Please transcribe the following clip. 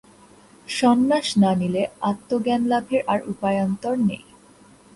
সন্ন্যাস না নিলে আত্মজ্ঞানলাভের আর উপায়ান্তর নেই।